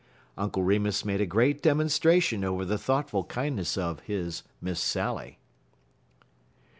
Uncle Remus made a great demonstration over the thoughtful kindness of his "Miss Sally."